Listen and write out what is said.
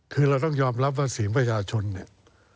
คือเราต้องยอมรับว่าเสียงประชาชนเนี่ย